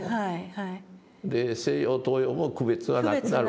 西洋東洋も区別はなくなるわけ。